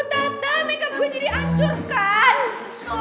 tata makeup gue jadi ancur kan